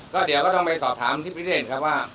ก็เดี๋ยวก็ต้องไปสอบถามที่พิเศษครับว่า